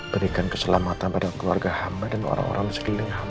berikan keselamatan pada keluarga hamba dan orang orang di sekeliling hamba